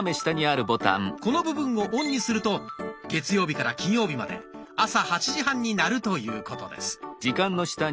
この部分をオンにすると月曜日から金曜日まで朝８時半に鳴るということです。